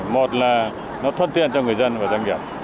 một là nó thuận tiện cho người dân và doanh nghiệp